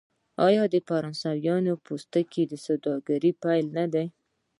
آیا فرانسویانو د پوستکي سوداګري پیل نه کړه؟